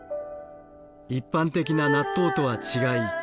一般的な納豆とは違い